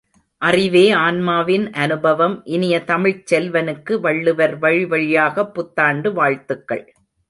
அறிவே ஆன்மாவின் அனுபவம் இனிய தமிழ்ச் செல்வனுக்கு, வள்ளுவர் வழி வழியாகப் புத்தாண்டு வாழ்த்துகள்!